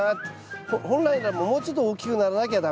本来ならもうちょっと大きくならなきゃ駄目ですね。